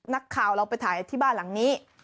นักข่าวเราไปถ่ายที่บ้านหลังนี้